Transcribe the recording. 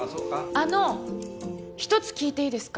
あの一つ聞いていいですか？